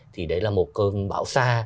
thì đấy là một cơn bão xa